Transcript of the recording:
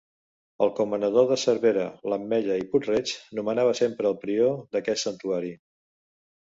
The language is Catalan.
El comanador de Cervera, l'Ametlla i Puig-reig nomenava sempre el prior d'aquest santuari.